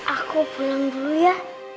aku pulang dulu ya